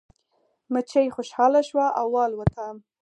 مچۍ خوشحاله شوه او والوتله.